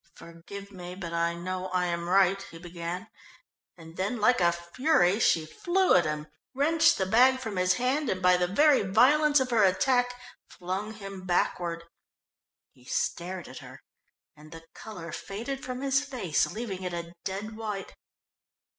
"Forgive me, but I know I am right," he began, and then like a fury she flew at him, wrenched the bag from his hand, and by the very violence of her attack, flung him backward. He stared at her, and the colour faded from his face leaving it a dead white.